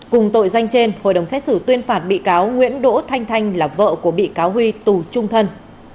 cùng tội danh trên hội đồng xét xử tuyên phạt bị cáo nguyễn đỗ thanh thanh là vợ của bị cáo huy tù trung thân